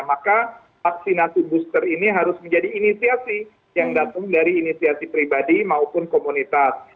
maka vaksinasi booster ini harus menjadi inisiasi yang datang dari inisiasi pribadi maupun komunitas